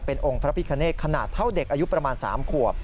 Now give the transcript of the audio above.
เป็นองค์พระพิคเนตขนาดเท่าเด็กอายุประมาณ๓ขวบ